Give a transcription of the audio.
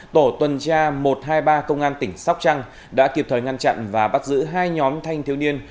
tổ tuần tra một trăm hai mươi ba công an tỉnh sóc trăng đã kịp thời ngăn chặn và bắt giữ hai nhóm thanh thiếu niên